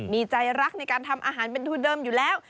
มีใจรักในการทำอาหารเป็นทุนเดิมอยู่แล้ว